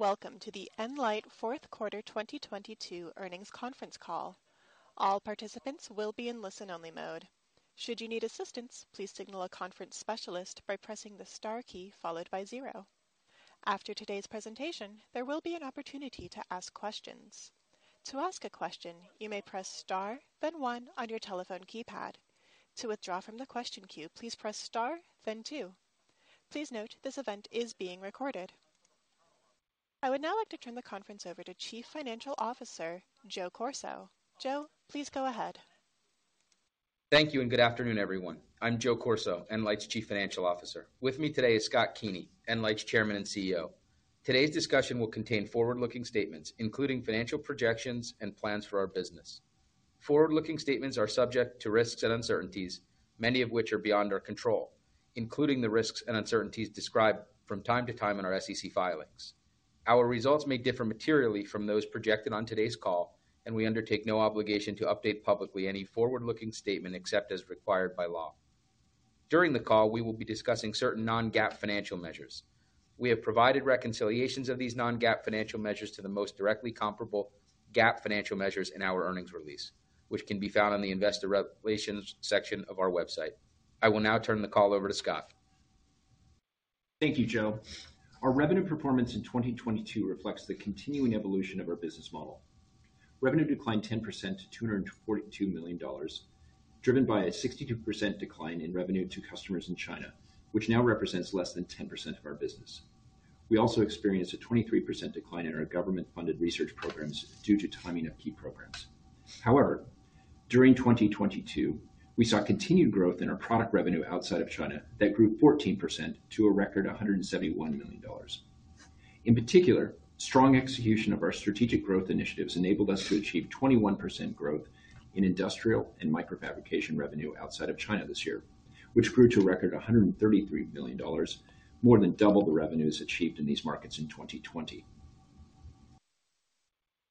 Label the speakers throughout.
Speaker 1: Hello, and welcome to the nLIGHT fourth quarter 2022 earnings conference call. All participants will be in listen-only mode. Should you need assistance, please signal a conference specialist by pressing the star key followed by 0. After today's presentation, there will be an opportunity to ask questions. To ask a question, you may press star then 1 on your telephone keypad. To withdraw from the question queue, please press star then 2. Please note this event is being recorded. I would now like to turn the conference over to Chief Financial Officer, Joe Corso. Joe, please go ahead.
Speaker 2: Thank you. Good afternoon, everyone. I'm Joe Corso, nLIGHT's Chief Financial Officer. With me today is Scott Keeney, nLIGHT's Chairman and CEO. Today's discussion will contain forward-looking statements, including financial projections and plans for our business. Forward-looking statements are subject to risks and uncertainties, many of which are beyond our control, including the risks and uncertainties described from time to time in our SEC filings. Our results may differ materially from those projected on today's call, and we undertake no obligation to update publicly any forward-looking statement except as required by law. During the call, we will be discussing certain non-GAAP financial measures. We have provided reconciliations of these non-GAAP financial measures to the most directly comparable GAAP financial measures in our earnings release, which can be found on the investor relations section of our website. I will now turn the call over to Scott.
Speaker 3: Thank you, Joe. Our revenue performance in 2022 reflects the continuing evolution of our business model. Revenue declined 10% to $242 million, driven by a 62% decline in revenue to customers in China, which now represents less than 10% of our business. We also experienced a 23% decline in our government-funded research programs due to timing of key programs. During 2022, we saw continued growth in our product revenue outside of China that grew 14% to a record $171 million. In particular, strong execution of our strategic growth initiatives enabled us to achieve 21% growth in industrial and microfabrication revenue outside of China this year, which grew to a record $133 million, more than double the revenues achieved in these markets in 2020.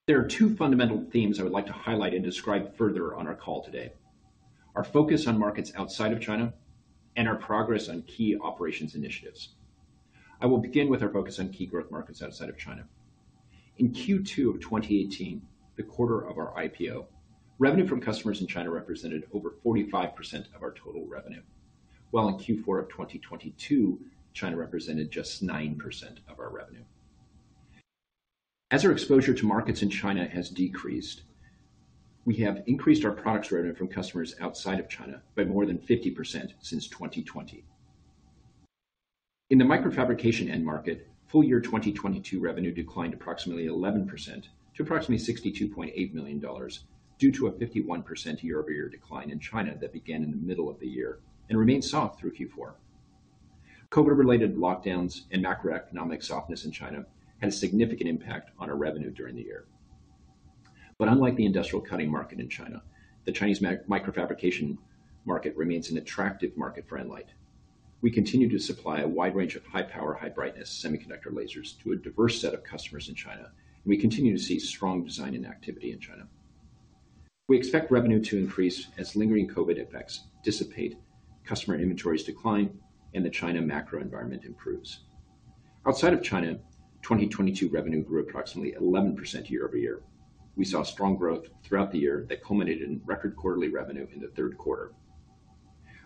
Speaker 3: There are two fundamental themes I would like to highlight and describe further on our call today: our focus on markets outside of China and our progress on key operations initiatives. I will begin with our focus on key growth markets outside of China. In Q2 of 2018, the quarter of our IPO, revenue from customers in China represented over 45% of our total revenue, while in Q4 of 2022, China represented just 9% of our revenue. As our exposure to markets in China has decreased, we have increased our products revenue from customers outside of China by more than 50% since 2020. In the microfabrication end market, full year 2022 revenue declined approximately 11% to approximately $62.8 million due to a 51% year-over-year decline in China that began in the middle of the year and remained soft through Q4. COVID-related lockdowns and macroeconomic softness in China had a significant impact on our revenue during the year. Unlike the industrial cutting market in China, the Chinese microfabrication market remains an attractive market for nLIGHT. We continue to supply a wide range of high power, high brightness semiconductor lasers to a diverse set of customers in China, and we continue to see strong design and activity in China. We expect revenue to increase as lingering COVID effects dissipate, customer inventories decline, and the China macro environment improves. Outside of China, 2022 revenue grew approximately 11% year-over-year. We saw strong growth throughout the year that culminated in record quarterly revenue in the third quarter.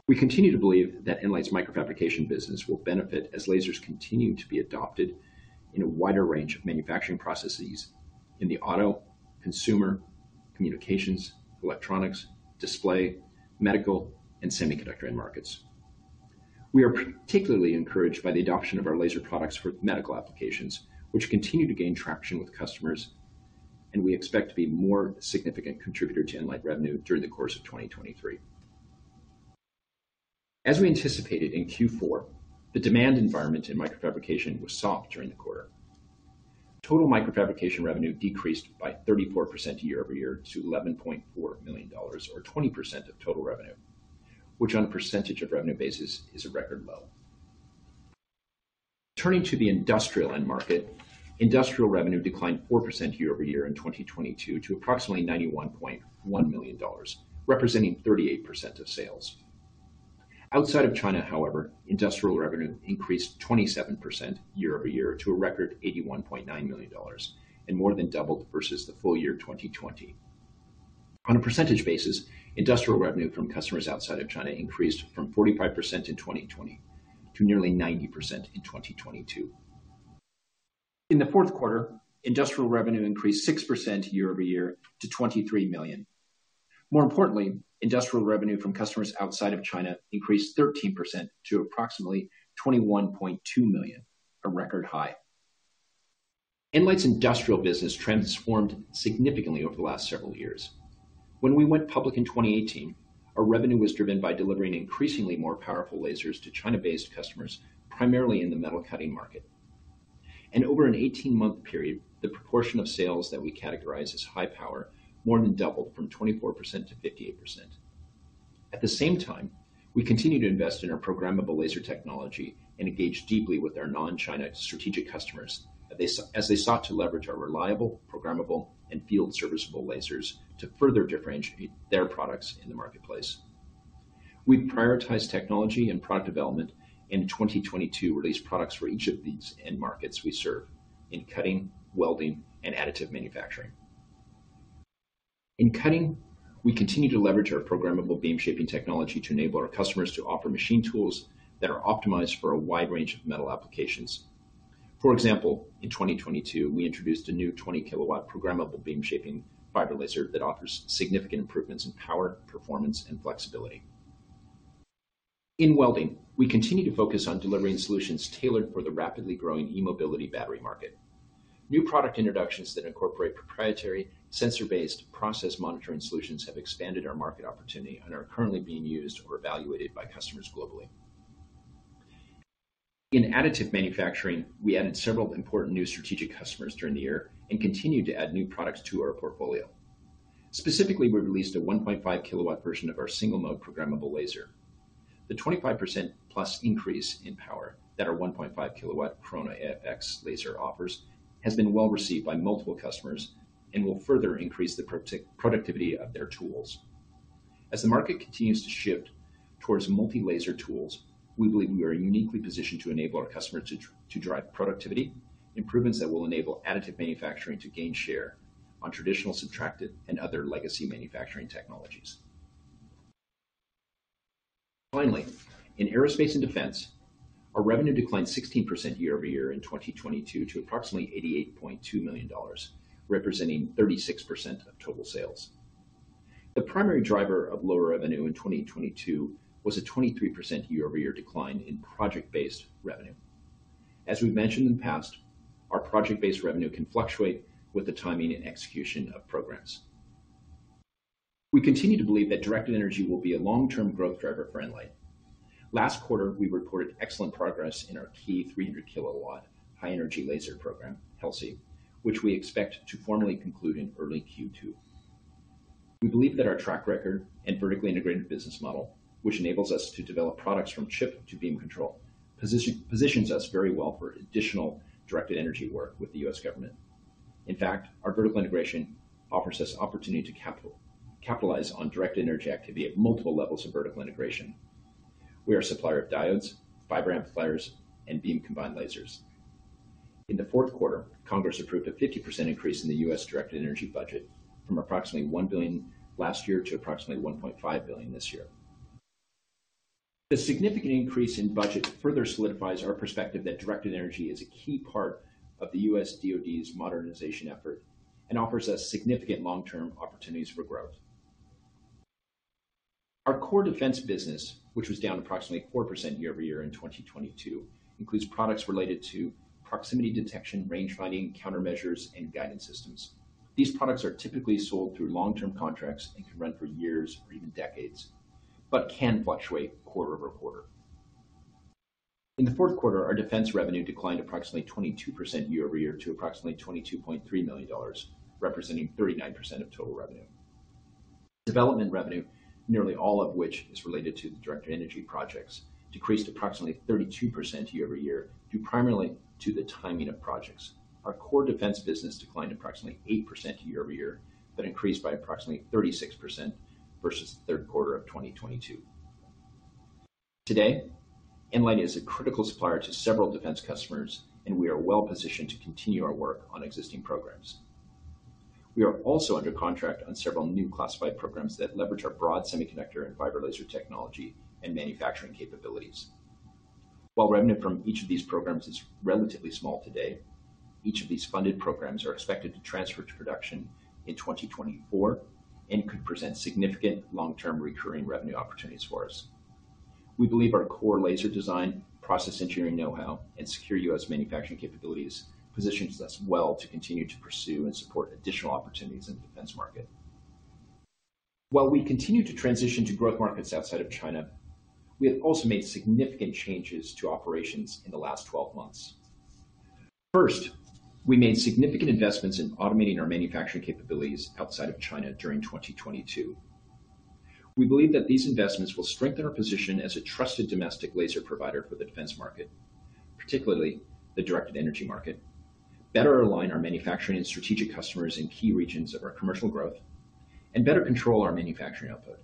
Speaker 3: We continue to believe that nLIGHT's microfabrication business will benefit as lasers continue to be adopted in a wider range of manufacturing processes in the auto, consumer, communications, electronics, display, medical, and semiconductor end markets. We are particularly encouraged by the adoption of our laser products for medical applications, which continue to gain traction with customers, and we expect to be more significant contributor to nLIGHT revenue during the course of 2023. As we anticipated in Q4, the demand environment in microfabrication was soft during the quarter. Total microfabrication revenue decreased by 34% year-over-year to $11.4 million or 20% of total revenue, which on a percentage of revenue basis is a record low. Turning to the industrial end market, industrial revenue declined 4% year-over-year in 2022 to approximately $91.1 million, representing 38% of sales. Outside of China, however, industrial revenue increased 27% year-over-year to a record $81.9 million and more than doubled versus the full year 2020. On a percentage basis, industrial revenue from customers outside of China increased from 45% in 2020 to nearly 90% in 2022. In the fourth quarter, industrial revenue increased 6% year-over-year to $23 million. More importantly, industrial revenue from customers outside of China increased 13% to approximately $21.2 million, a record high. nLIGHT's industrial business transformed significantly over the last several years. When we went public in 2018, our revenue was driven by delivering increasingly more powerful lasers to China-based customers, primarily in the metal cutting market. Over an 18-month period, the proportion of sales that we categorize as high power more than doubled from 24% to 58%. At the same time, we continue to invest in our programmable laser technology and engage deeply with our non-China strategic customers as they sought to leverage our reliable, programmable, and field serviceable lasers to further differentiate their products in the marketplace. We prioritize technology and product development in 2022, release products for each of these end markets we serve in cutting, welding, and additive manufacturing. In cutting, we continue to leverage our programmable beam shaping technology to enable our customers to offer machine tools that are optimized for a wide range of metal applications. For example, in 2022, we introduced a new 20 kilowatt programmable beam shaping fiber laser that offers significant improvements in power, performance, and flexibility. In welding, we continue to focus on delivering solutions tailored for the rapidly growing e-mobility battery market. New product introductions that incorporate proprietary sensor-based process monitoring solutions have expanded our market opportunity and are currently being used or evaluated by customers globally. In additive manufacturing, we added several important new strategic customers during the year and continued to add new products to our portfolio. Specifically, we released a 1.5 kilowatt version of our single mode programmable laser. The 25% plus increase in power that our 1.5 kilowatt Corona CFX laser offers has been well received by multiple customers and will further increase the product-productivity of their tools. As the market continues to shift towards multi-laser tools, we believe we are uniquely positioned to enable our customers to drive productivity improvements that will enable additive manufacturing to gain share on traditional, subtracted, and other legacy manufacturing technologies. Finally, in aerospace and defense, our revenue declined 16% year-over-year in 2022 to approximately $88.2 million, representing 36% of total sales. The primary driver of lower revenue in 2022 was a 23% year-over-year decline in project-based revenue. As we've mentioned in the past, our project-based revenue can fluctuate with the timing and execution of programs. We continue to believe that directed energy will be a long-term growth driver for nLIGHT. Last quarter, we reported excellent progress in our key 300 kilowatt high energy laser program, HELSI, which we expect to formally conclude in early Q2. We believe that our track record and vertically integrated business model, which enables us to develop products from chip to beam control, positions us very well for additional directed energy work with the U.S. government. Our vertical integration offers us opportunity to capitalize on directed energy activity at multiple levels of vertical integration. We are a supplier of diodes, fiber amplifiers, and beam combined lasers. In the fourth quarter, Congress approved a 50% increase in the U.S. directed energy budget from approximately $1 billion last year to approximately $1.5 billion this year. The significant increase in budget further solidifies our perspective that directed energy is a key part of the U.S. DoD's modernization effort and offers us significant long-term opportunities for growth. Our core defense business, which was down approximately 4% year-over-year in 2022, includes products related to proximity detection, range finding, countermeasures, and guidance systems. These products are typically sold through long-term contracts and can run for years or even decades, but can fluctuate quarter-over-quarter. In the fourth quarter, our defense revenue declined approximately 22% year-over-year to approximately $22.3 million, representing 39% of total revenue. Development revenue, nearly all of which is related to the directed energy projects, decreased approximately 32% year-over-year, due primarily to the timing of projects. Our core defense business declined approximately 8% year-over-year, but increased by approximately 36% versus the third quarter of 2022. Today, nLIGHT is a critical supplier to several defense customers, and we are well positioned to continue our work on existing programs. We are also under contract on several new classified programs that leverage our broad semiconductor and fiber laser technology and manufacturing capabilities. While revenue from each of these programs is relatively small today, each of these funded programs are expected to transfer to production in 2024 and could present significant long-term recurring revenue opportunities for us. We believe our core laser design, process engineering know-how, and secure U.S. manufacturing capabilities positions us well to continue to pursue and support additional opportunities in the defense market. While we continue to transition to growth markets outside of China, we have also made significant changes to operations in the last 12 months. First, we made significant investments in automating our manufacturing capabilities outside of China during 2022. We believe that these investments will strengthen our position as a trusted domestic laser provider for the defense market, particularly the directed energy market, better align our manufacturing and strategic customers in key regions of our commercial growth, and better control our manufacturing output.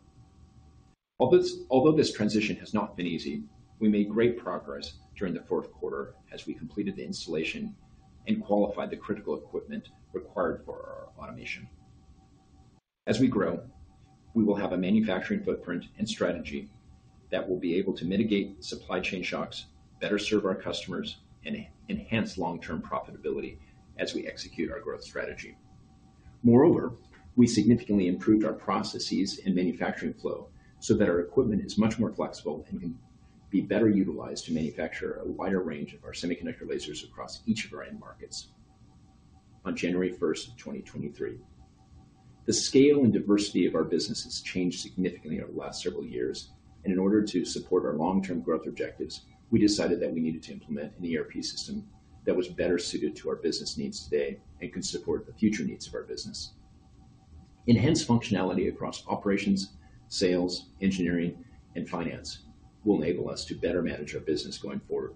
Speaker 3: Although this transition has not been easy, we made great progress during the fourth quarter as we completed the installation and qualified the critical equipment required for our automation. As we grow, we will have a manufacturing footprint and strategy that will be able to mitigate supply chain shocks, better serve our customers, and enhance long-term profitability as we execute our growth strategy. Moreover, we significantly improved our processes and manufacturing flow so that our equipment is much more flexible and can be better utilized to manufacture a wider range of our semiconductor lasers across each of our end markets. On January first, 2023, the scale and diversity of our business has changed significantly over the last several years. In order to support our long-term growth objectives, we decided that we needed to implement an ERP system that was better suited to our business needs today and could support the future needs of our business. Enhanced functionality across operations, sales, engineering, and finance will enable us to better manage our business going forward.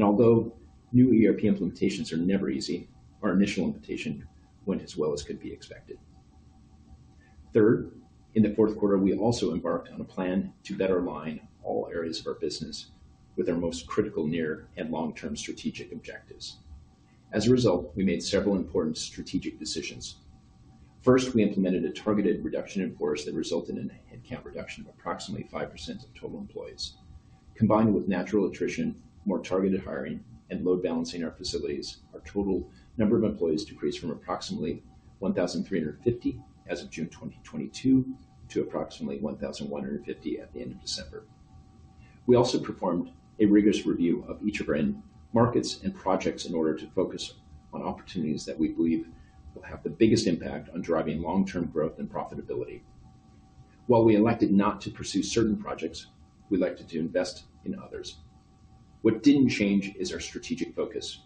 Speaker 3: Although new ERP implementations are never easy, our initial implementation went as well as could be expected. Third, in the fourth quarter, we also embarked on a plan to better align all areas of our business with our most critical, near and long-term strategic objectives. As a result, we made several important strategic decisions. First, we implemented a targeted reduction in force that resulted in a headcount reduction of approximately 5% of total employees. Combined with natural attrition, more targeted hiring and load balancing our facilities, our total number of employees decreased from approximately 1,350 as of June 2022 to approximately 1,150 at the end of December. We also performed a rigorous review of each of our end markets and projects in order to focus on opportunities that we believe will have the biggest impact on driving long-term growth and profitability. While we elected not to pursue certain projects, we elected to invest in others. What didn't change is our strategic focus.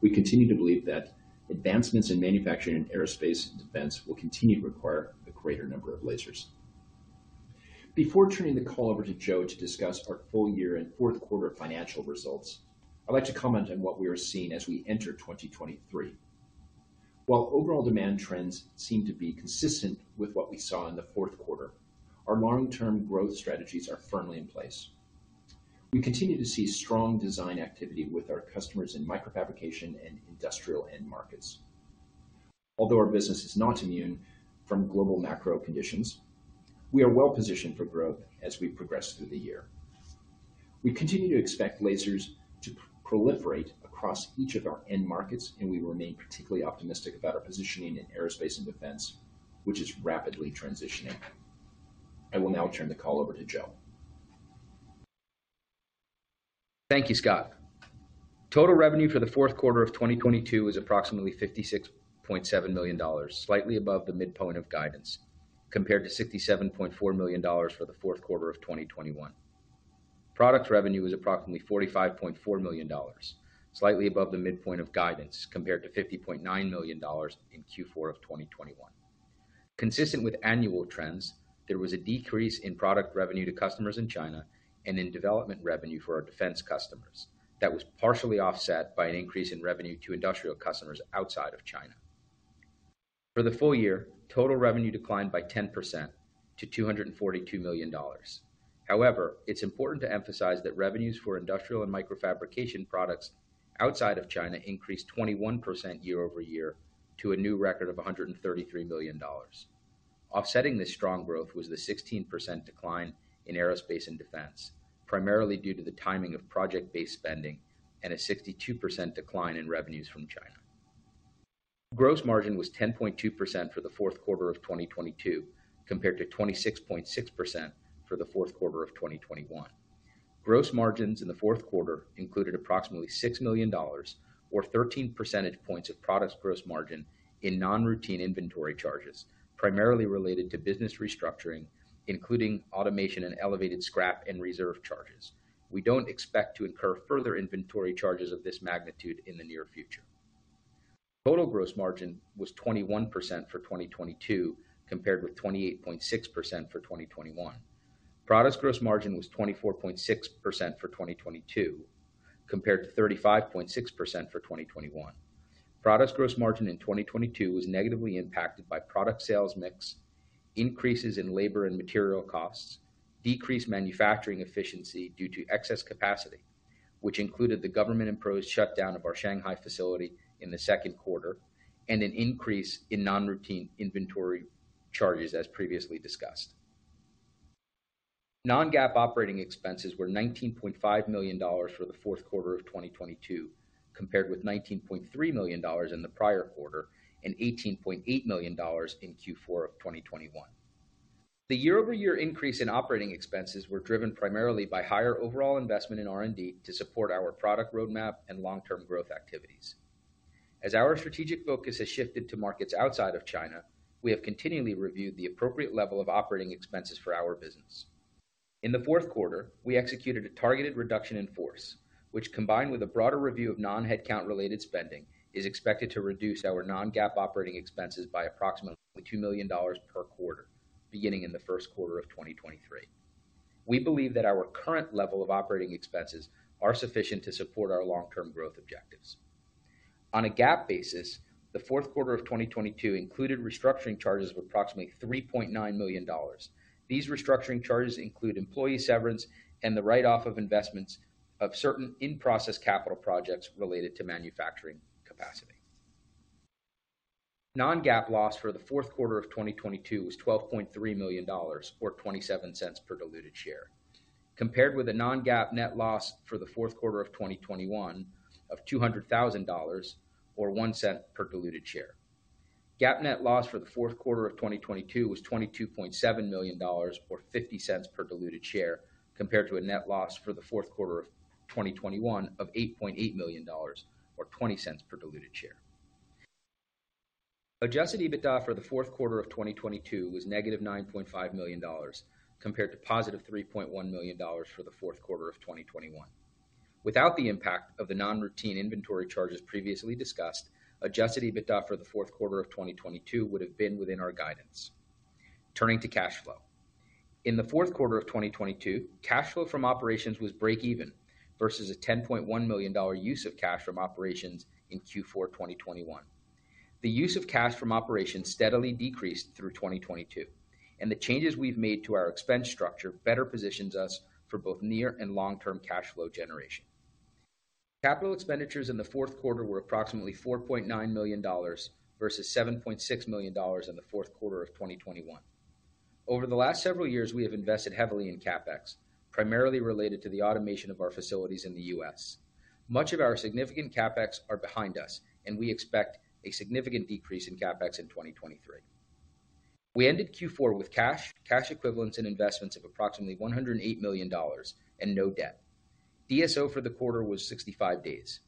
Speaker 3: We continue to believe that advancements in manufacturing and aerospace and defense will continue to require a greater number of lasers. Before turning the call over to Joe to discuss our full year and fourth quarter financial results, I'd like to comment on what we are seeing as we enter 2023. While overall demand trends seem to be consistent with what we saw in the fourth quarter, our long-term growth strategies are firmly in place. We continue to see strong design activity with our customers in microfabrication and industrial end markets. Although our business is not immune from global macro conditions, we are well positioned for growth as we progress through the year. We continue to expect lasers to proliferate across each of our end markets, and we remain particularly optimistic about our positioning in aerospace and defense, which is rapidly transitioning. I will now turn the call over to Joe Corso.
Speaker 2: Thank you, Scott. Total revenue for the fourth quarter of 2022 was approximately $56.7 million, slightly above the midpoint of guidance compared to $67.4 million for the fourth quarter of 2021. Product revenue was approximately $45.4 million, slightly above the midpoint of guidance compared to $50.9 million in Q4 of 2021. Consistent with annual trends, there was a decrease in product revenue to customers in China and in development revenue for our defense customers. That was partially offset by an increase in revenue to industrial customers outside of China. For the full year, total revenue declined by 10% to $242 million. It's important to emphasize that revenues for industrial and microfabrication products outside of China increased 21% year-over-year to a new record of $133 million. Offsetting this strong growth was the 16% decline in aerospace and defense, primarily due to the timing of project-based spending and a 62% decline in revenues from China. Gross margin was 10.2% for the fourth quarter of 2022, compared to 26.6% for the fourth quarter of 2021. Gross margins in the fourth quarter included approximately $6 million or 13 percentage points of products gross margin in non-routine inventory charges, primarily related to business restructuring, including automation and elevated scrap and reserve charges. We don't expect to incur further inventory charges of this magnitude in the near future. Total gross margin was 21% for 2022, compared with 28.6% for 2021. Products gross margin was 24.6% for 2022, compared to 35.6% for 2021. Products gross margin in 2022 was negatively impacted by product sales mix, increases in labor and material costs, decreased manufacturing efficiency due to excess capacity, which included the government-imposed shutdown of our Shanghai facility in the second quarter, and an increase in non-routine inventory charges, as previously discussed. Non-GAAP operating expenses were $19.5 million for the fourth quarter of 2022, compared with $19.3 million in the prior quarter and $18.8 million in Q4 of 2021. The year-over-year increase in operating expenses were driven primarily by higher overall investment in R&D to support our product roadmap and long-term growth activities. As our strategic focus has shifted to markets outside of China, we have continually reviewed the appropriate level of operating expenses for our business. In the fourth quarter, we executed a targeted reduction in force, which, combined with a broader review of non-headcount related spending, is expected to reduce our non-GAAP OpEx by approximately $2 million per quarter beginning in the first quarter of 2023. We believe that our current level of OpEx are sufficient to support our long-term growth objectives. On a GAAP basis, the fourth quarter of 2022 included restructuring charges of approximately $3.9 million. These restructuring charges include employee severance and the write-off of investments of certain in-process capital projects related to manufacturing capacity. non-GAAP loss for the fourth quarter of 2022 was $12.3 million or $0.27 per diluted share, compared with a non-GAAP net loss for the fourth quarter of 2021 of $200,000 or $0.01 per diluted share. GAAP net loss for the fourth quarter of 2022 was $22.7 million or $0.50 per diluted share, compared to a net loss for the fourth quarter of 2021 of $8.8 million or $0.20 per diluted share. Adjusted EBITDA for the fourth quarter of 2022 was -$9.5 million, compared to $3.1 million for the fourth quarter of 2021. Without the impact of the non-routine inventory charges previously discussed, adjusted EBITDA for the fourth quarter of 2022 would have been within our guidance. Turning to cash flow. In the fourth quarter of 2022, cash flow from operations was breakeven versus a $10.1 million use of cash from operations in Q4 2021. The use of cash from operations steadily decreased through 2022, and the changes we've made to our expense structure better positions us for both near and long-term cash flow generation. Capital expenditures in the fourth quarter were approximately $4.9 million versus $7.6 million in the fourth quarter of 2021. Over the last several years, we have invested heavily in CapEx, primarily related to the automation of our facilities in the US. Much of our significant CapEx are behind us, and we expect a significant decrease in CapEx in 2023. We ended Q4 with cash equivalents, and investments of approximately $108 million and no debt. DSO for the quarter was 65 days.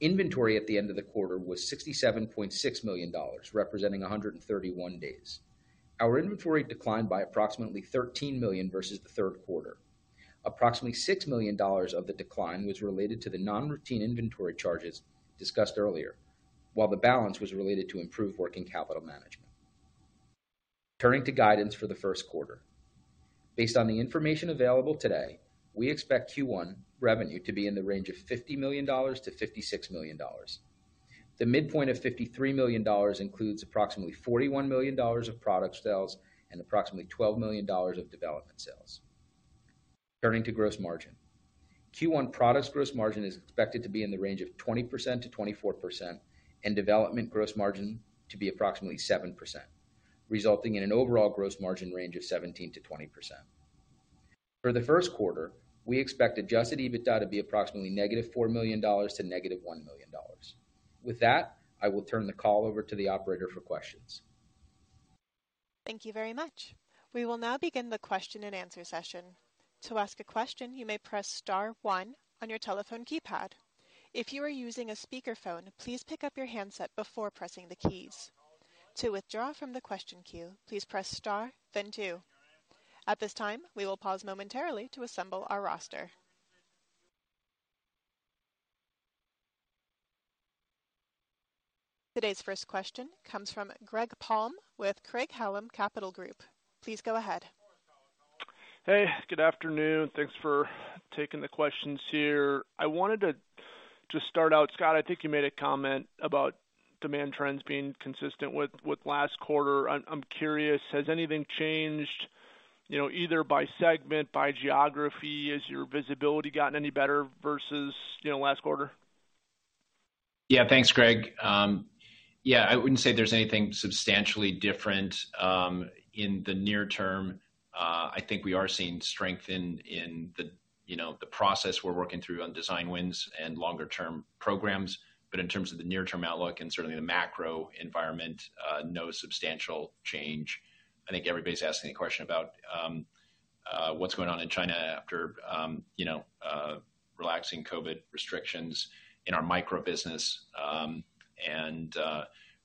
Speaker 2: Inventory at the end of the quarter was $67.6 million, representing 131 days. Our inventory declined by approximately $13 million versus the third quarter. Approximately $6 million of the decline was related to the non-routine inventory charges discussed earlier, while the balance was related to improved working capital management. Turning to guidance for the first quarter. Based on the information available today, we expect Q1 revenue to be in the range of $50 million-$56 million. The midpoint of $53 million includes approximately $41 million of product sales and approximately $12 million of development sales. Turning to gross margin. Q1 products gross margin is expected to be in the range of 20%-24%. Development gross margin to be approximately 7%, resulting in an overall gross margin range of 17%-20%. For the first quarter, we expect adjusted EBITDA to be approximately negative $4 million to negative $1 million. With that, I will turn the call over to the operator for questions.
Speaker 1: Thank you very much. We will now begin the question-and-answer session. To ask a question, you may press star one on your telephone keypad. If you are using a speakerphone, please pick up your handset before pressing the keys. To withdraw from the question queue, please press star, then two. At this time, we will pause momentarily to assemble our roster. Today's first question comes from Greg Palm with Craig-Hallum Capital Group. Please go ahead.
Speaker 4: Hey, good afternoon. Thanks for taking the questions here. I wanted to start out, Scott, I think you made a comment about demand trends being consistent with last quarter. I'm curious, has anything changed, you know, either by segment, by geography? Has your visibility gotten any better versus, you know, last quarter?
Speaker 2: Yeah. Thanks, Greg. Yeah, I wouldn't say there's anything substantially different in the near term. I think we are seeing strength in the, you know, the process we're working through on design wins and longer-term programs. In terms of the near-term outlook and certainly the macro environment, no substantial change. I think everybody's asking a question about what's going on in China after, you know, relaxing COVID restrictions in our micro business.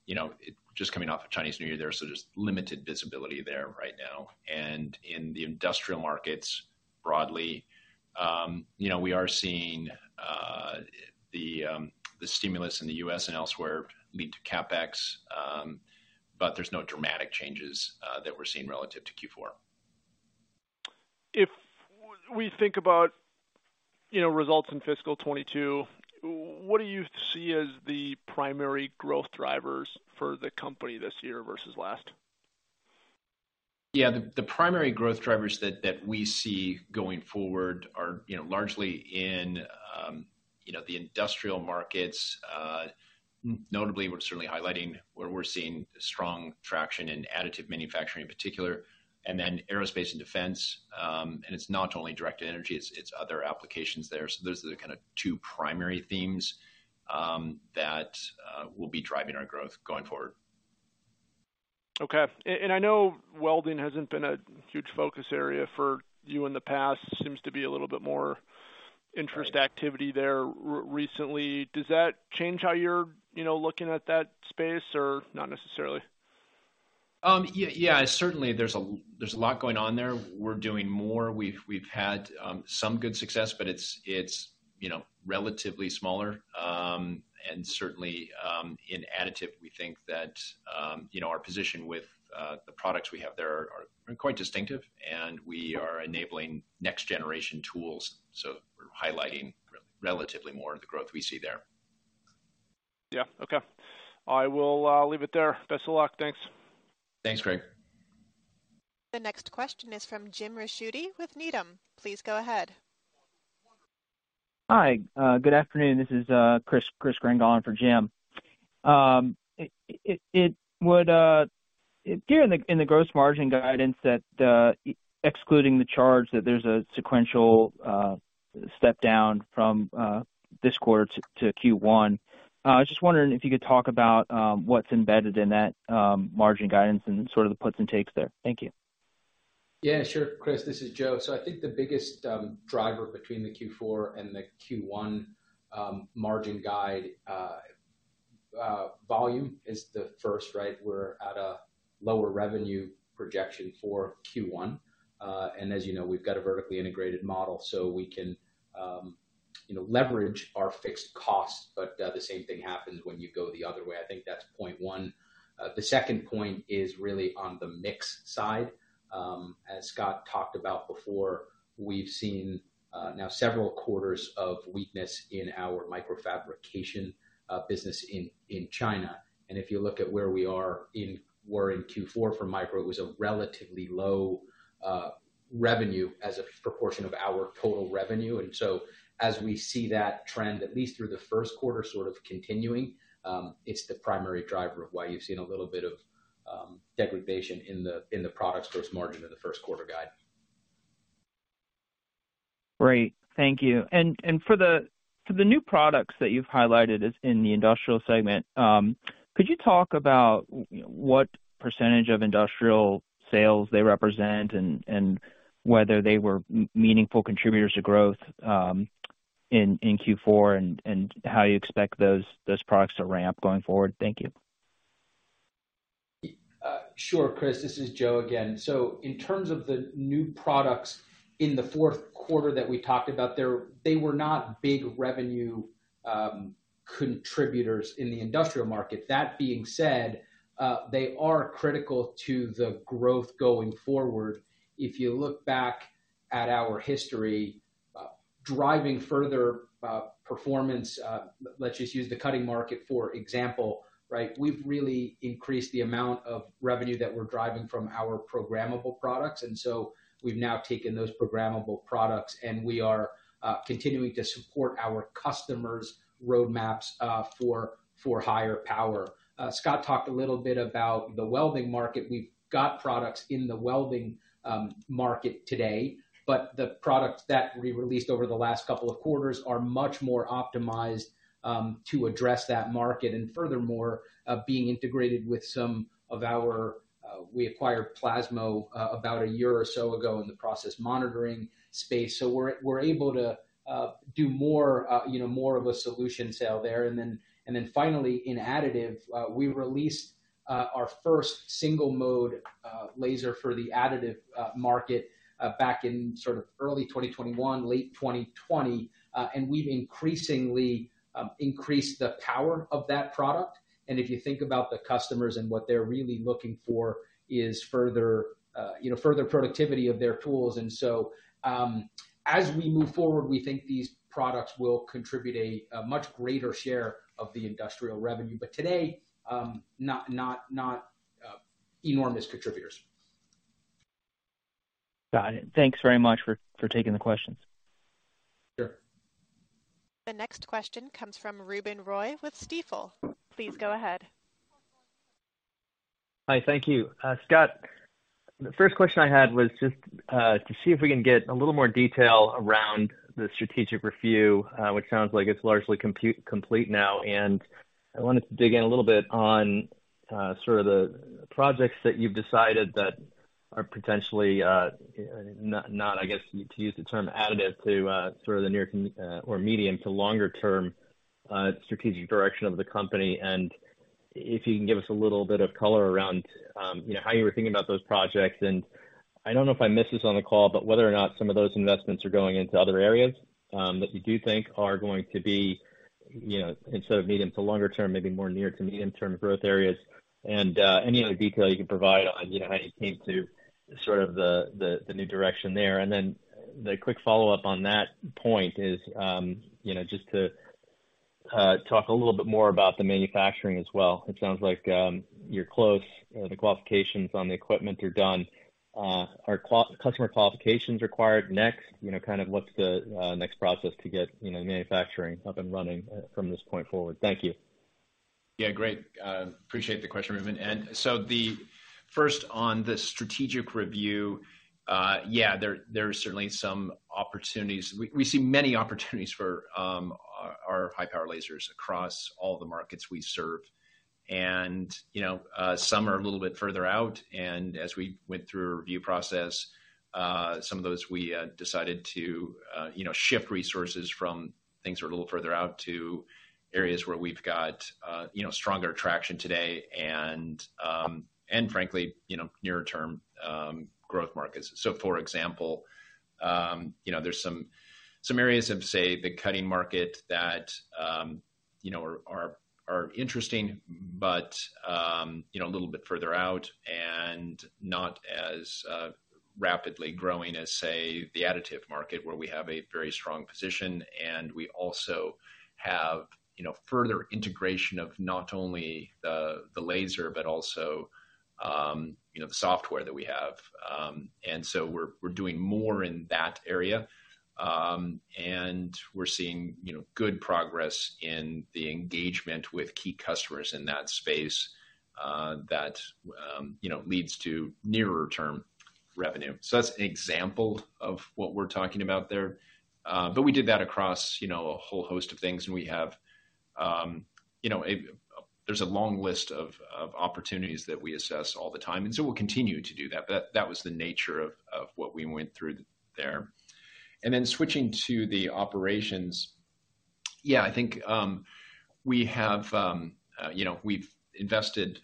Speaker 2: You know, just coming off of Chinese New Year there, just limited visibility there right now. In the industrial markets broadly, you know, we are seeing the stimulus in the US and elsewhere lead to CapEx, there's no dramatic changes that we're seeing relative to Q4.
Speaker 4: If we think about, you know, results in fiscal 22, what do you see as the primary growth drivers for the company this year versus last?
Speaker 2: Yeah, the primary growth drivers that we see going forward are, you know, largely in, you know, the industrial markets. Notably, we're certainly highlighting where we're seeing strong traction in additive manufacturing in particular, and then aerospace and defense. It's not only directed energy, it's other applications there. Those are the kinda two primary themes that will be driving our growth going forward.
Speaker 4: Okay. I know welding hasn't been a huge focus area for you in the past. Seems to be a little bit more interest activity there recently. Does that change how you're, you know, looking at that space or not necessarily?
Speaker 2: Yeah. Yeah, certainly there's a lot going on there. We've had some good success, but it's, you know, relatively smaller. And certainly, in additive, we think that, you know, our position with the products we have there are quite distinctive, and we are enabling next generation tools. We're highlighting relatively more of the growth we see there.
Speaker 4: Yeah. Okay. I will leave it there. Best of luck. Thanks.
Speaker 2: Thanks, Greg.
Speaker 1: The next question is from Jim Ricchiuti with Needham. Please go ahead.
Speaker 5: Hi. good afternoon. This is Chris Rangone for Jim. it would given the, in the gross margin guidance that excluding the charge that there's a sequential step-down from this quarter to Q1, I was just wondering if you could talk about what's embedded in that margin guidance and sort of the puts and takes there. Thank you.
Speaker 2: Yeah, sure. Chris, this is Joe. I think the biggest driver between the Q4 and the Q1 margin guide, volume is the first, right? We're at a lower revenue projection for Q1. As you know, we've got a vertically integrated model, so we can You know, leverage our fixed costs, but the same thing happens when you go the other way. I think that's point 1. The second point is really on the mix side. As Scott talked about before, we've seen now several quarters of weakness in our microfabrication business in China. If you look at where we're in Q4 for micro, it was a relatively low revenue as a proportion of our total revenue. As we see that trend, at least through the first quarter, sort of continuing, it's the primary driver of why you've seen a little bit of degradation in the, in the products gross margin in the first quarter guide.
Speaker 5: Great. Thank you. For the new products that you've highlighted as in the industrial segment, could you talk about what percentage of industrial sales they represent and whether they were meaningful contributors to growth in Q4 and how you expect those products to ramp going forward? Thank you.
Speaker 2: Sure, Chris, this is Joe again. In terms of the new products in the fourth quarter that we talked about, they were not big revenue contributors in the industrial market. That being said, they are critical to the growth going forward. If you look back at our history, driving further performance, let's just use the cutting market, for example, right? We've really increased the amount of revenue that we're driving from our programmable products, we've now taken those programmable products, and we are continuing to support our customers' roadmaps for higher power. Scott talked a little bit about the welding market. We've got products in the welding market today, the products that we released over the last couple of quarters are much more optimized to address that market. Furthermore, being integrated with some of our, we acquired Plasmo about a year or so ago in the process monitoring space. We're, we're able to do more, you know, more of a solution sale there. Then, finally, in additive, we released our first single mode laser for the additive market back in sort of early 2021, late 2020. We've increasingly increased the power of that product. If you think about the customers and what they're really looking for is further, you know, further productivity of their tools. So, as we move forward, we think these products will contribute a much greater share of the industrial revenue. Today, not, not enormous contributors.
Speaker 5: Got it. Thanks very much for taking the questions.
Speaker 2: Sure.
Speaker 1: The next question comes from Ruben Roy with Stifel. Please go ahead.
Speaker 6: Hi. Thank you. Scott, the first question I had was just to see if we can get a little more detail around the strategic review, which sounds like it's largely complete now. I wanted to dig in a little bit on sort of the projects that you've decided that are potentially not, I guess, to use the term additive to sort of the near to or medium to longer term strategic direction of the company. If you can give us a little bit of color around, you know, how you were thinking about those projects? I don't know if I missed this on the call, but whether or not some of those investments are going into other areas that you do think are going to be, you know, instead of medium to longer term, maybe more near to medium term growth areas. Any other detail you can provide on, you know, how you came to sort of the new direction there. The quick follow-up on that point is, you know, just to talk a little bit more about the manufacturing as well. It sounds like you're close or the qualifications on the equipment are done. Customer qualifications required next? You know, kind of what's the next process to get, you know, manufacturing up and running from this point forward? Thank you.
Speaker 2: Yeah. Great. Appreciate the question, Ruben. The first on the strategic review, yeah, there are certainly some opportunities. We see many opportunities for our high-power lasers across all the markets we serve. You know, some are a little bit further out, and as we went through a review process, some of those we decided to, you know, shift resources from things that are a little further out to areas where we've got, you know, stronger traction today and frankly, you know, nearer term growth markets. For example, you know, there's some areas of, say, the cutting market that, you know, are interesting but, you know, a little bit further out and not as rapidly growing as, say, the additive market where we have a very strong position. We also have, you know, further integration of not only the laser, but also, you know, the software that we have. We're doing more in that area. We're seeing, you know, good progress in the engagement with key customers in that space, that, you know, leads to nearer term revenue. That's an example of what we're talking about there. We did that across, you know, a whole host of things, and we have, you know, There's a long list of opportunities that we assess all the time, we'll continue to do that. That was the nature of what we went through there. Then switching to the operations
Speaker 3: Yeah, I think, we have, you know, we've invested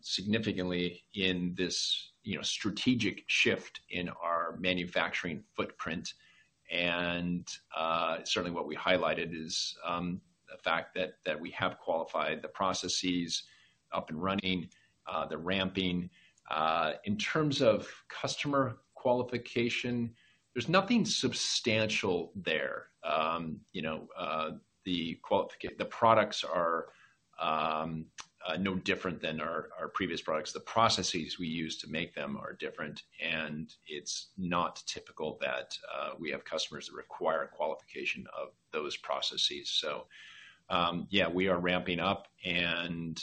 Speaker 3: significantly in this, you know, strategic shift in our manufacturing footprint. Certainly what we highlighted is, the fact that we have qualified the processes up and running, the ramping. In terms of customer qualification, there's nothing substantial there. You know, the products are no different than our previous products. The processes we use to make them are different, and it's not typical that we have customers that require a qualification of those processes. Yeah, we are ramping up and,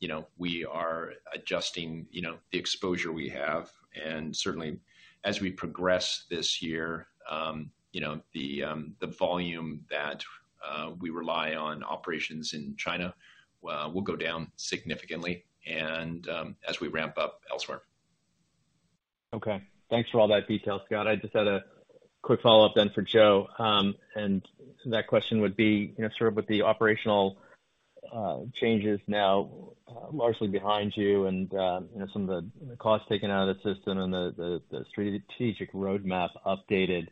Speaker 3: you know, we are adjusting, you know, the exposure we have. Certainly as we progress this year, you know, the volume that, we rely on operations in China, will go down significantly and, as we ramp up elsewhere.
Speaker 6: Okay. Thanks for all that detail, Scott. I just had a quick follow-up then for Joe. That question would be, you know, sort of with the operational changes now largely behind you and, you know, some of the costs taken out of the system and the strategic roadmap updated,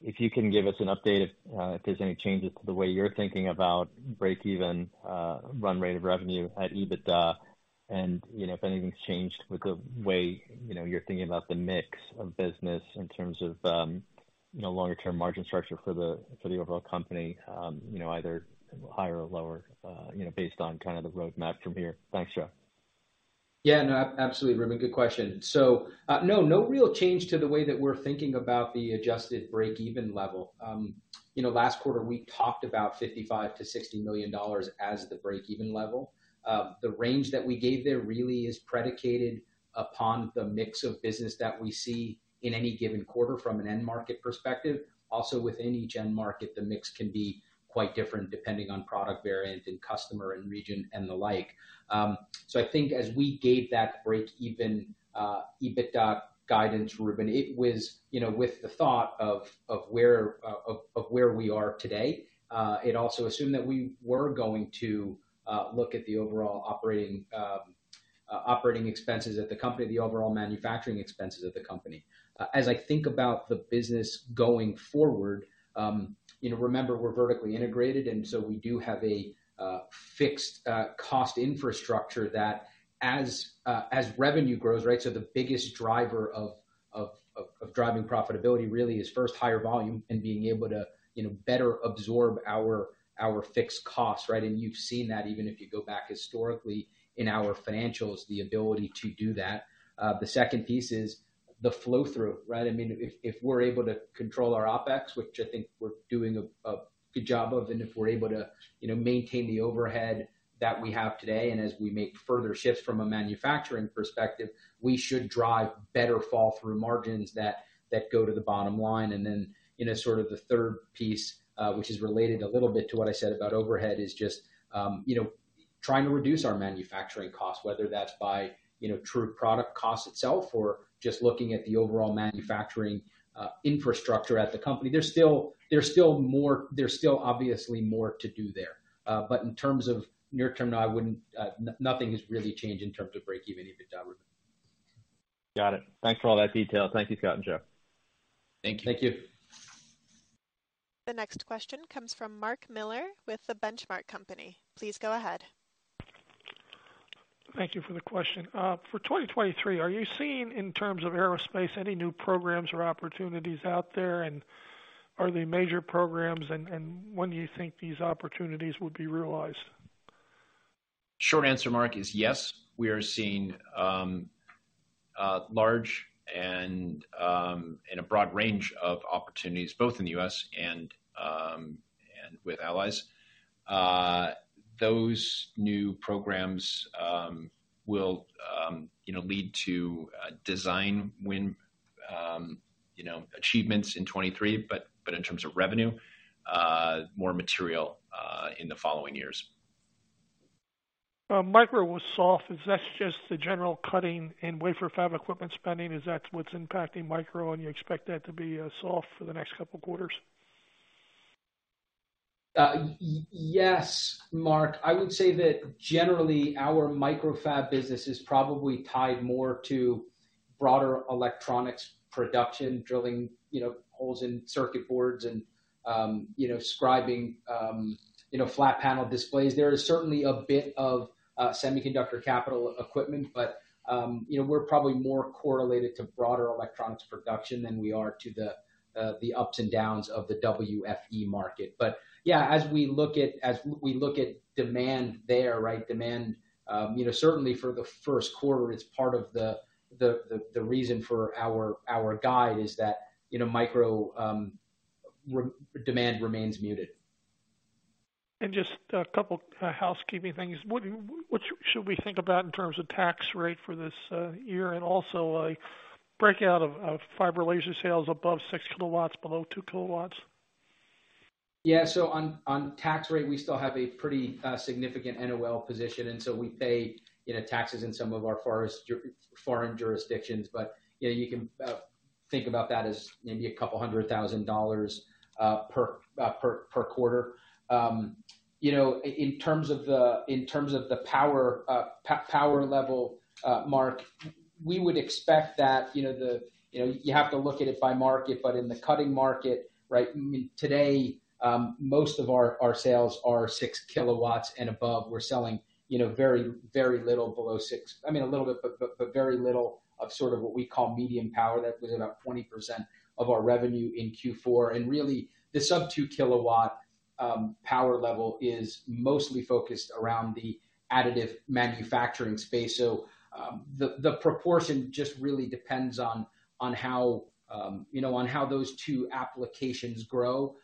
Speaker 6: if you can give us an update if there's any changes to the way you're thinking about break even run rate of revenue at EBITDA and, you know, if anything's changed with the way, you know, you're thinking about the mix of business in terms of, you know, longer term margin structure for the overall company, you know, either higher or lower, you know, based on kind of the roadmap from here. Thanks, Joe.
Speaker 2: Yeah, no, absolutely, Ruben. Good question. No real change to the way that we're thinking about the adjusted break-even level. You know, last quarter we talked about $55 million-$60 million as the break-even level. The range that we gave there really is predicated upon the mix of business that we see in any given quarter from an end market perspective. Also, within each end market, the mix can be quite different depending on product variant and customer and region and the like. I think as we gave that break-even EBITDA guidance, Ruben, it was, you know, with the thought of where we are today. It also assumed that we were going to look at the overall operating expenses at the company, the overall manufacturing expenses at the company. As I think about the business going forward, you know, remember we're vertically integrated, and so we do have a fixed cost infrastructure that as revenue grows, right? The biggest driver of driving profitability really is first higher volume and being able to, you know, better absorb our fixed costs, right? You've seen that even if you go back historically in our financials, the ability to do that. The second piece is the flow-through, right? I mean, if we're able to control our OpEx, which I think we're doing a good job of, and if we're able to, you know, maintain the overhead that we have today, and as we make further shifts from a manufacturing perspective, we should drive better fall through margins that go to the bottom line. You know, sort of the third piece, which is related a little bit to what I said about overhead, is just, you know, trying to reduce our manufacturing costs, whether that's by, you know, true product cost itself or just looking at the overall manufacturing, infrastructure at the company. There's still obviously more to do there. In terms of near term, no, I wouldn't, nothing has really changed in terms of break-even and EBITDA, Ruben.
Speaker 6: Got it. Thanks for all that detail. Thank you, Scott and Joe.
Speaker 3: Thank you.
Speaker 2: Thank you.
Speaker 1: The next question comes from Mark Miller with The Benchmark Company. Please go ahead.
Speaker 7: Thank you for the question. For 2023, are you seeing, in terms of aerospace, any new programs or opportunities out there, and are they major programs? And when do you think these opportunities would be realized?
Speaker 3: Short answer, Mark, is yes. We are seeing large and a broad range of opportunities both in the U.S. and with allies. Those new programs will, you know, lead to design win, you know, achievements in 2023. In terms of revenue, more material in the following years.
Speaker 7: micro was soft. Is that just the general cutting in wafer fab equipment spending? Is that what's impacting micro and you expect that to be soft for the next couple quarters?
Speaker 2: Yes, Mark. I would say that generally our micro fab business is probably tied more to broader electronics production, drilling, you know, holes in circuit boards and, you know, scribing, you know, flat panel displays. There is certainly a bit of semiconductor capital equipment, but, you know, we're probably more correlated to broader electronics production than we are to the ups and downs of the WFE market. Yeah, as we look at, as we look at demand there, right? Demand, you know, certainly for the first quarter, it's part of the reason for our guide is that, you know, micro, demand remains muted.
Speaker 7: Just a couple, housekeeping things. What should we think about in terms of tax rate for this year? Also a breakout of fiber laser sales above 6 kilowatts, below 2 kilowatts?
Speaker 2: Yeah. On, on tax rate, we still have a pretty significant NOL position, we pay, you know, taxes in some of our foreign jurisdictions. Yeah, you can think about that as maybe $200,000 per quarter. You know, in terms of the power level, Mark, we would expect that, you know, the... You know, you have to look at it by market, but in the cutting market, right, I mean, today, most of our sales are six kilowatts and above. We're selling, you know, very little below six. I mean, a little bit, but very little of sort of what we call medium power. That was about 20% of our revenue in Q4. Really, the sub 2 kilowatt power level is mostly focused around the additive manufacturing space. The proportion just really depends on how, you know, on how those 2 applications grow.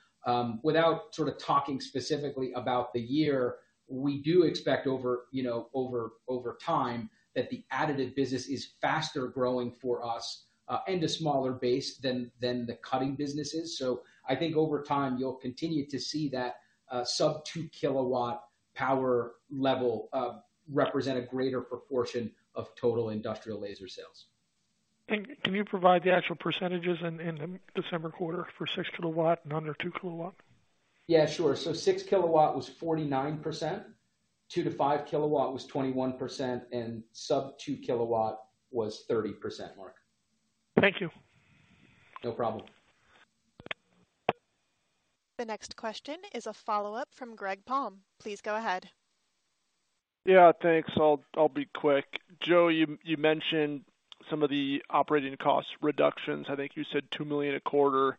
Speaker 2: Without sort of talking specifically about the year, we do expect over, you know, over time that the additive business is faster growing for us, and a smaller base than the cutting business is. I think over time you'll continue to see that sub 2 kilowatt power level represent a greater proportion of total industrial laser sales.
Speaker 7: Can you provide the actual % in the December quarter for 6 kW and under 2 kW?
Speaker 2: Yeah, sure. 6 kilowatt was 49%, 2 to 5 kilowatt was 21%, and sub 2 kilowatt was 30%, Mark.
Speaker 7: Thank you.
Speaker 2: No problem.
Speaker 1: The next question is a follow-up from Greg Palm. Please go ahead.
Speaker 4: Yeah, thanks. I'll be quick. Joe, you mentioned some of the operating cost reductions. I think you said $2 million a quarter.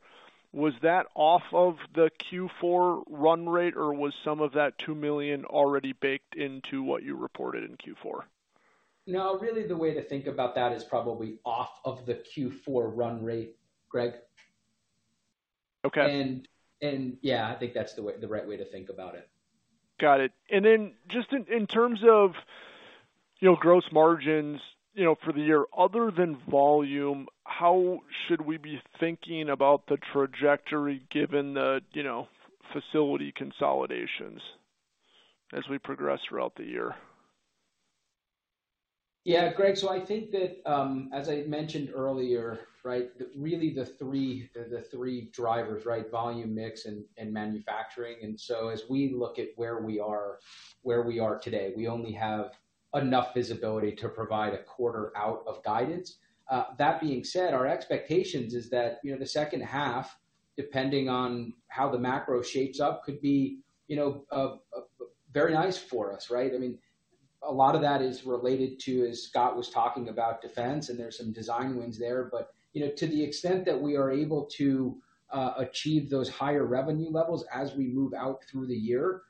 Speaker 4: Was that off of the Q4 run rate, or was some of that $2 million already baked into what you reported in Q4?
Speaker 2: No, really the way to think about that is probably off of the Q4 run rate, Greg.
Speaker 4: Okay.
Speaker 2: Yeah, I think that's the way, the right way to think about it.
Speaker 4: Got it. Then just in terms of, you know, gross margins, you know, for the year, other than volume, how should we be thinking about the trajectory given the, you know, facility consolidations as we progress throughout the year?
Speaker 2: Yeah, Greg, so I think that, as I mentioned earlier, right, really the three drivers, right? Volume, mix, and manufacturing. As we look at where we are today, we only have enough visibility to provide a quarter out of guidance. That being said, our expectations is that, you know, the second half, depending on how the macro shapes up, could be, you know, very nice for us, right? I mean, a lot of that is related to, as Scott was talking about, defense, and there's some design wins there. You know, to the extent that we are able to achieve those higher revenue levels as we move out through the year,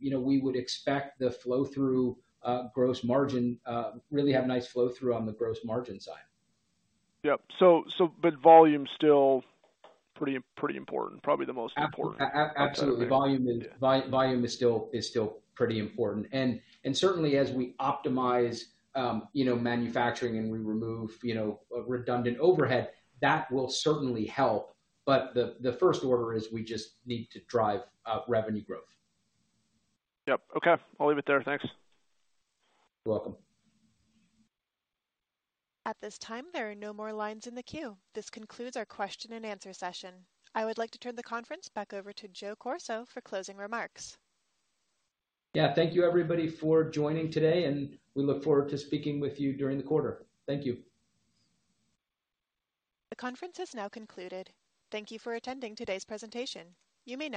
Speaker 2: you know, we would expect the flow through gross margin, really have nice flow through on the gross margin side.
Speaker 4: Yep. Volume's still pretty important. Probably the most important.
Speaker 2: Ab-ab-absolutely.
Speaker 4: Yeah.
Speaker 2: Volume is still pretty important. Certainly as we optimize, you know, manufacturing and we remove, you know, redundant overhead, that will certainly help. The first order is we just need to drive revenue growth.
Speaker 4: Yep. Okay, I'll leave it there. Thanks.
Speaker 2: You're welcome.
Speaker 1: At this time, there are no more lines in the queue. This concludes our question and answer session. I would like to turn the conference back over to Joe Corso for closing remarks.
Speaker 2: Yeah. Thank you, everybody, for joining today, and we look forward to speaking with you during the quarter. Thank you.
Speaker 1: The conference has now concluded. Thank you for attending today's presentation. You may now disconnect.